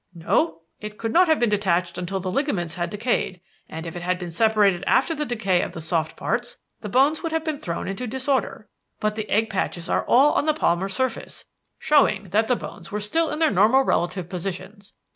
"No. It could not have been detached until the ligaments had decayed, and if it had been separated after the decay of the soft parts, the bones would have been thrown into disorder. But the egg patches are all on the palmar surface, showing that the bones were still in their normal relative positions.